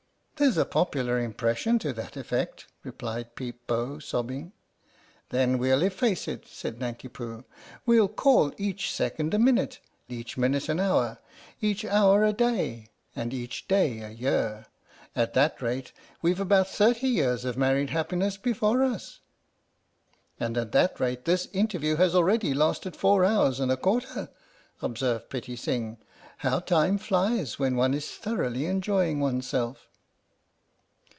"" There's a popular impression to that effect," replied Peep Bo, sobbing. 79 THE STORY OF THE MIKADO "Then we'll efface it," said Nanki Poo. "We'll call each second a minute, each minute an hour, each hour a day and each day a year. At that rate, we've about thirty years of married happiness before us! "" And at that rate this interview has already lasted four hours and a quarter," observed Pitti Sing. " How time flies when one is thoroughly enjoying one's self!